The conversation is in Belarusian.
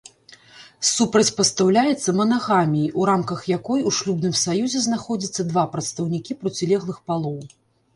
Супрацьпастаўляецца манагаміі, у рамках якой у шлюбным саюзе знаходзяцца два прадстаўнікі процілеглых палоў.